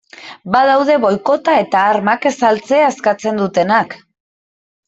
Badaude boikota eta armak ez saltzea eskatzen dutenak.